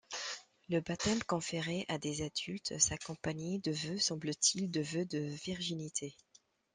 Le baptême, conféré à des adultes, s'accompagnait de vœux, semble-t-il de vœux de virginité.